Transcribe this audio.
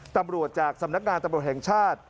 ตำรวจจากสำนักงานตำรวจแห่งชาติ